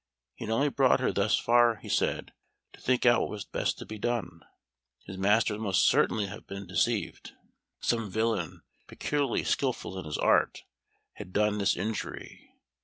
He had only brought her thus far, he said, to think out what was best to be done. His master must certainly have been deceived; some villain, peculiarly skilful in his art, had done this injury.